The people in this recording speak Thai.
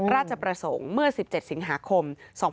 ราชประสงค์เมื่อ๑๗สิงหาคม๒๕๖๒